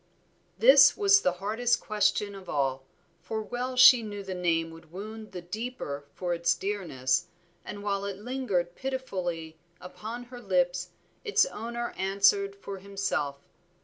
This was the hardest question of all, for well she knew the name would wound the deeper for its dearness, and while it lingered pitifully upon her lips its owner answered for himself.